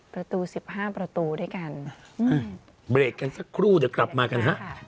อ๋อประตู๑๕ประตูด้วยกันอืม